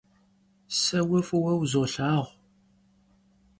Se vue f'ıue vuzolhağu.